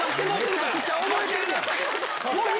めちゃくちゃ覚えてるやん。